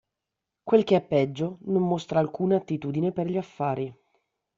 Quel che è peggio, non mostra alcuna attitudine per gli affari.